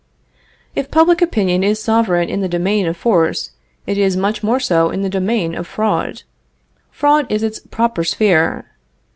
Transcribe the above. If public opinion is sovereign in the domain of force, it is much more so in the domain of fraud. Fraud is its proper sphere.